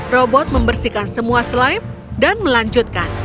robot membersihkan semua slipe dan melanjutkan